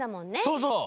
そうそう。